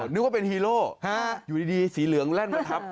นึกว่าเป็นฮีโร่อยู่ดีสีเหลืองแล่นมาทับ